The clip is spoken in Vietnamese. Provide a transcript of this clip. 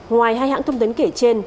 ngoài hai hãng thông tấn kể trên